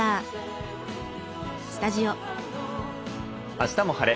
「あしたも晴れ！